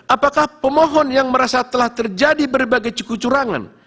apakah pemohon yang merasa telah terjadi berbagai kecucurangan